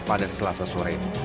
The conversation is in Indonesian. pada selasa sore